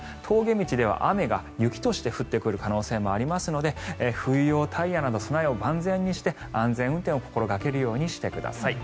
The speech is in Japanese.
峠道では雨が雪として降ってくる可能性もありますので冬用タイヤなど備えを万全にして安全運転を心掛けるようにしてください。